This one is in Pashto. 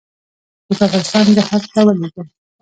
د کافرستان جهاد ته ولېږل.